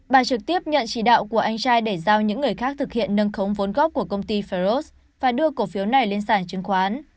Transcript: bà trực tiếp nhận chỉ đạo của anh trai để giao những người khác thực hiện nâng khống vốn góp của công ty faros và đưa cổ phiếu này lên sản chứng khoán